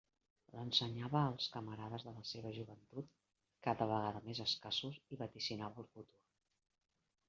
L'ensenyava als camarades de la seua joventut, cada vegada més escassos, i vaticinava el futur.